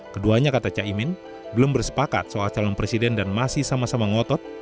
keduanya kata caimin belum bersepakat soal calon presiden dan masih sama sama ngotot